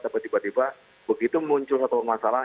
tapi tiba tiba begitu muncul masalah